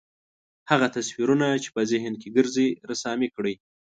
هغه تصویرونه چې په ذهن کې ګرځي رسامي کړئ.